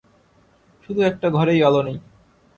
শুধু একটা ঘরেই আলো নেই।